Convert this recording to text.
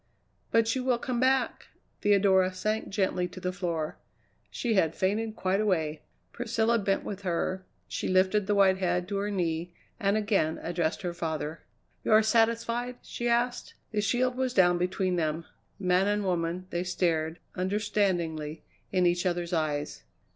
"But you will come back " Theodora sank gently to the floor. She had fainted quite away! Priscilla bent with her, she lifted the white head to her knee, and again addressed her father. "You are satisfied?" she asked. The shield was down between them. Man and woman, they stared, understandingly, in each other's eyes.